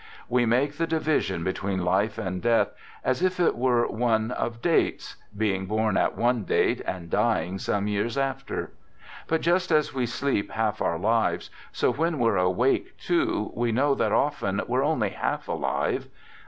We make the division between life and death as if it were one of dates — being born at one date and dying some years after. But just as we sleep half our lives, so when we're awake, too, we know that often we're only half alive.